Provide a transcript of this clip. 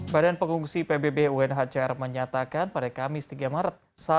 badan pengungsi pbb unhcr menyatakan pada kamis tiga maret